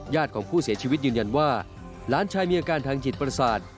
ของผู้เสียชีวิตยืนยันว่าหลานชายมีอาการทางจิตประสาท